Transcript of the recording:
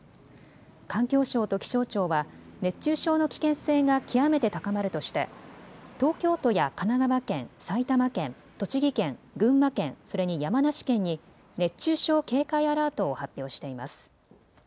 環境省と気象庁は熱中症の危険性が極めて高まるとして東京都や神奈川県、埼玉県、栃木県、群馬県、それに山梨県に熱中症警戒アラートを発表しています。